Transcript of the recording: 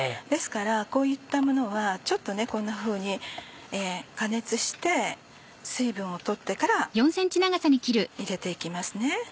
ですからこういったものはちょっとこんなふうに加熱して水分を取ってから入れて行きますね。